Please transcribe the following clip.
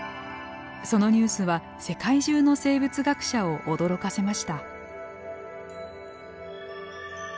そのニュースは世界中の生物学者を驚かせました。